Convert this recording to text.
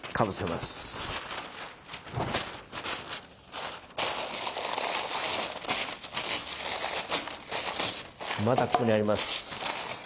まだここにあります。